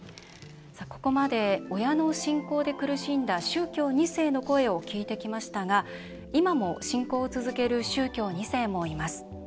ここまで、親の信仰で苦しんだ宗教２世の声を聞いてきましたが今も信仰を続ける宗教２世もいます。